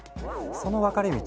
その分かれ道